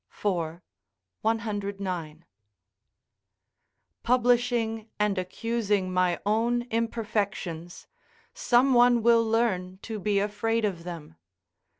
4, 109.] publishing and accusing my own imperfections, some one will learn to be afraid of them.